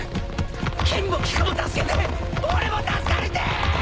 錦も菊も助けて俺も助かりてえ！